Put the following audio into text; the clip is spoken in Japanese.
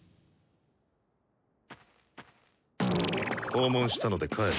訪問したので帰る。